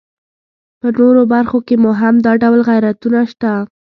په نورو برخو کې مو هم دا ډول غیرتونه شته.